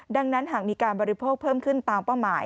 ดังนั้นหากมีการบริโภคเพิ่มขึ้นตามเป้าหมาย